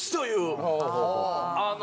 あの。